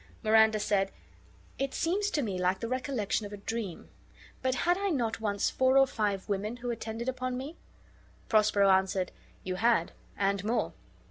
Miranda said: "It seems to me like the recollection of a dream. But had I not once four or five women who attended upon me?" Prospero answered: "You had, and more.